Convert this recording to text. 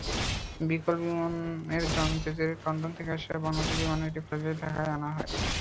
বিকল বিমানের যাত্রীদের লন্ডন থেকে আসা বাংলাদেশ বিমানের একটি ফ্লাইটে ঢাকায় পাঠানো হয়।